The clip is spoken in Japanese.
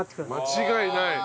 間違いない。